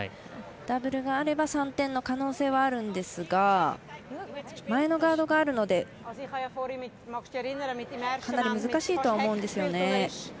ダブルがあれば３点の可能性はあるんですが前のガードがあるのでかなり難しいと思うんですよね。